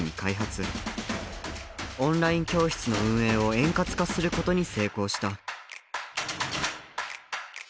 オンライン教室の運営を円滑化することに成功した。